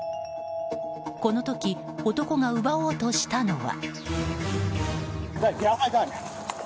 この時、男が奪おうとしたのは。